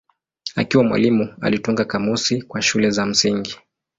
Akiwa mwalimu alitunga kamusi kwa shule za msingi.